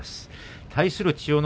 対する千代ノ